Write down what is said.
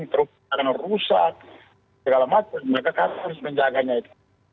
mereka harus menjaganya itu